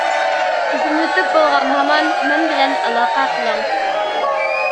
تىزىملىتىپ بولغان ھامان مەن بىلەن ئالاقە قىلىڭ!